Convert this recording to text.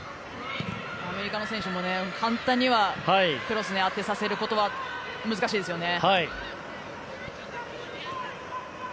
アメリカの選手も簡単にはクロスに当てさせることは難しいですよね。